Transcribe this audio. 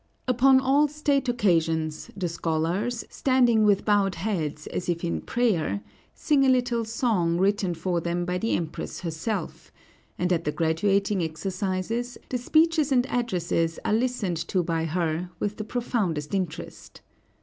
Upon all state occasions, the scholars, standing with bowed heads as if in prayer, sing a little song written for them by the Empress herself; and at the graduating exercises, the speeches and addresses are listened to by her with the profoundest interest.